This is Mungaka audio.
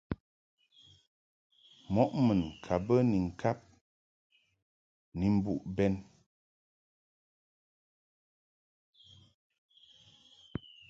Mɔʼ mun ka bə ni ŋkad ni mbuʼ bɛn.